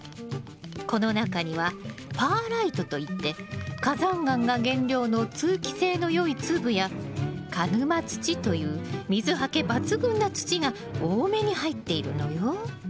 この中にはパーライトといって火山岩が原料の通気性のよい粒や鹿沼土という水はけ抜群な土が多めに入っているのよ。